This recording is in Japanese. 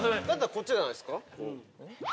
こっちじゃないですか？